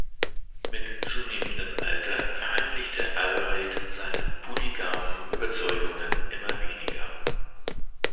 Mit zunehmendem Alter verheimlichte Allred seine polygamen Überzeugungen immer weniger.